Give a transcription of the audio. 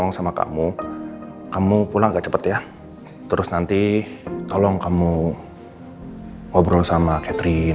nya dia bengkok person et fucking pook ih